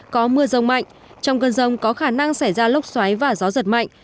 có mưa rông mạnh trong cơn rông có khả năng xảy ra lốc xoáy và gió giật mạnh